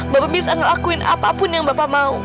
bapak bisa ngelakuin apapun yang bapak mau